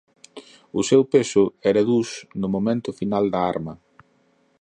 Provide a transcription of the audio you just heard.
O seu peso era duns no modelo final da arma.